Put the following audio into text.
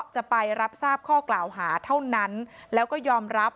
จะไปรับทราบข้อกล่าวหาเท่านั้นแล้วก็ยอมรับ